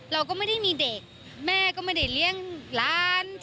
เราก็ไม่ได้มีเด็กแม่ก็ไม่ได้เลี้ยงหลาน